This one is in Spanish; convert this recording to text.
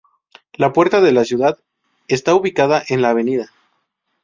La Puerta de la Ciudad está ubicada en la Av.